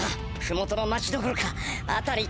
ふもとの町どころかあたり